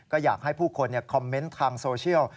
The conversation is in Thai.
ก็อยากให้ผู้คนคอมเมนต์ทางโซเชียล